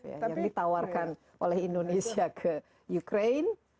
yang ditawarkan oleh indonesia ke ukraine